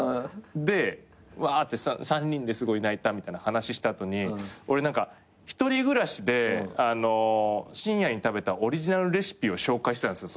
でわって３人ですごい泣いたみたいな話した後に俺１人暮らしで深夜に食べたオリジナルレシピを紹介したんですよ